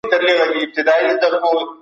د پيغمبر لار ښوونې تعقيب کړئ.